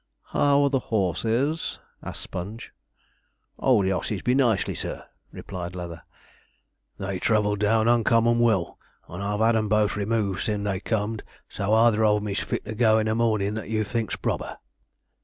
'How are the horses?' asked Sponge. 'Oh, the osses be nicely, sir,' replied Leather; 'they travelled down uncommon well, and I've had 'em both removed sin they com'd, so either on 'em is fit to go i' the mornin' that you think proper.'